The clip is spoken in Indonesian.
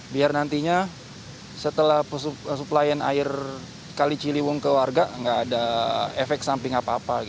biar nantinya setelah suplaian air kali ciliwung ke warga nggak ada efek samping apa apa